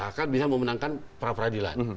agar bisa memenangkan peradilan